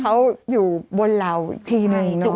กรมป้องกันแล้วก็บรรเทาสาธารณภัยนะคะ